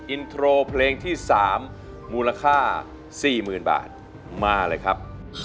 อินโทรเพลงที่สามมูลค่าสี่หมื่นบาทมาเลยครับ